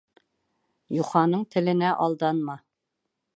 Юханың теленә алданма.